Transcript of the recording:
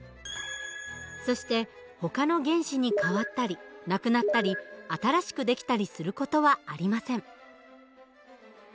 そしてほかの原子に変わったりなくなったり新しくできたりする事はありません。